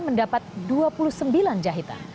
mendapat dua puluh sembilan jahitan